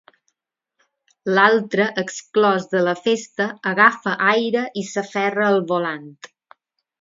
L'altre, exclòs de la festa, agafa aire i s'aferra al volant.